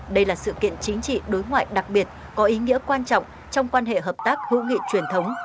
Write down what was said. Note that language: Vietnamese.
đây là sự kiện chính trị đối ngoại đặc biệt có ý nghĩa quan trọng trong quan hệ hợp tác hữu nghị truyền thống